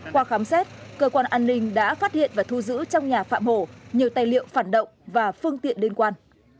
qua khám xét cơ quan an ninh đã phát hiện và thu giữ trong nhà phạm hổ nhiều tài liệu phản động và phương tiện liên quan